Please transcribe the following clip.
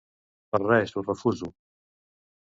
Per res, ho refuso.